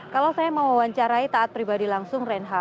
kalau saya mau wawancarai taat pribadi langsung reinhardt